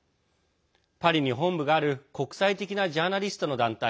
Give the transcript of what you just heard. パリに本部がある国際的なジャーナリストの団体